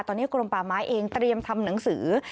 ตอนนี้กรมป่าไม้เองเตรียมทำหนังสือ